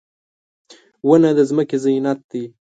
• ونه د ځمکې زینت دی.